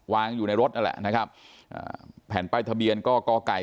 วางอยู่ในรถนั่นแหละนะครับอ่าแผ่นป้ายทะเบียนก็กไก่